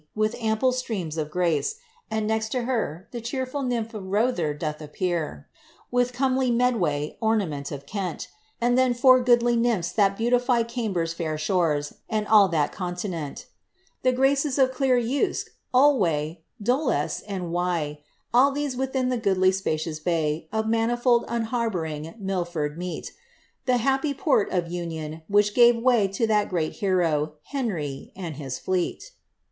333 With ample streams of grace ; and next to her The cheerful nymph of Rother' doth appear, "With comeljr Medway, ornament of Kent ; And then four goodly nymphi which beautify Cbmben' Air shores, and all that continent ; The graces of clear Uske, Olwy, Duleste, and Wfe. All these within the goodly spaoions bay Of manifold unharbooring Milford meet. The happy port of union, which gave way To that great hero, Henry,' and his fleet.'